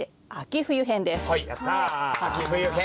秋冬編。